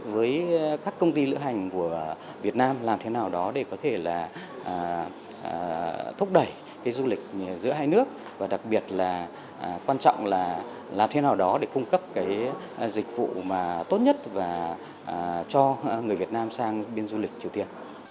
với các công ty lữ hành của việt nam làm thế nào đó để có thể là thúc đẩy cái du lịch giữa hai nước và đặc biệt là quan trọng là làm thế nào đó để cung cấp cái dịch vụ mà tốt nhất và cho người việt nam sang bên du lịch triều tiên